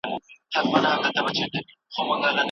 هغه د خپلې ټولنې د خلکو سره شفقت کاوه.